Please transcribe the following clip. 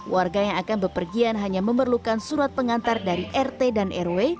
warga yang akan bepergian hanya memerlukan surat pengantar dari rt dan rw